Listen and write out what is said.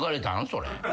それ。